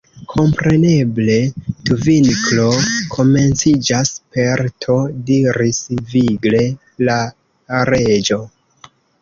"Kompreneble 'tvinklo' komenciĝas per T" diris vigle la Reĝo.